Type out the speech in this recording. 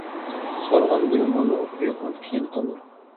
• سورىغان بىلىم ئالۇر، ئۇيالغان كېيىن قالۇر.